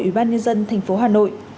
ủy ban nhân dân thành phố hà nội